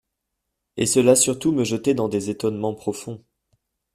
Et cela surtout me jetait dans des etonnements profonds.